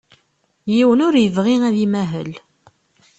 Yiwen ur yebɣi ad imahel.